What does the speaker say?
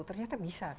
ternyata bisa kan